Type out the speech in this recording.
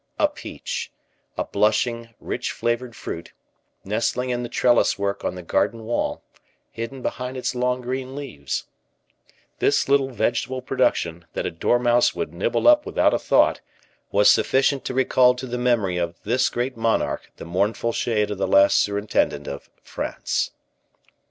A peach a blushing, rich flavored fruit, nestling in the trellis work on the garden wall, hidden beneath its long, green leaves, this little vegetable production, that a dormouse would nibble up without a thought, was sufficient to recall to the memory of this great monarch the mournful shade of the last surintendant of France.